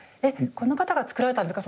この方が作られたんですか？